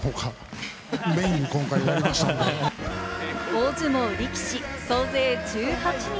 大相撲力士総勢１８人。